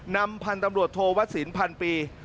นำพันธุ์ตำรวจโทวสินพันปี